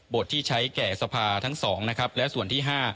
ที่ใช้แก่สภาทั้ง๒นะครับและส่วนที่๕